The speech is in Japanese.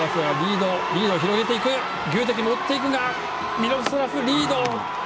ミロスラフ、リード！